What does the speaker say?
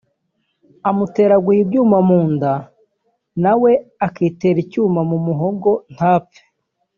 amuteraguye ibyuma mu nda nawe akitera icyuma mu muhogo ntapfe